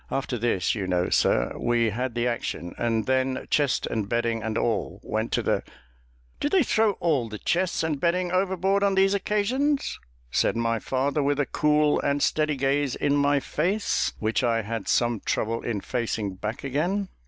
After this, you know, sir, we had the action, and then chest and bedding and all went to the ." "Do they throw all the chests and bedding overboard on these occasions?" said my father, with a cool and steady gaze in my face, which I had some trouble in facing back again.